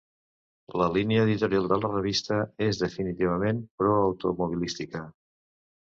La línia editorial de la revista és definitivament pro-automobilística.